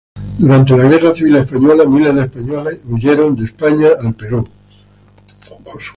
Durante la Guerra Civil española, miles de españoles huyeron de España al Perú.